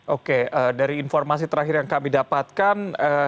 oke dari informasi terakhir yang kami dapatkan